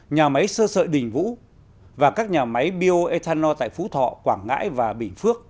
nhà máy sơ sợi đình vũ và các nhà máy bio ethanol tại phú thọ quảng ngãi và bình phước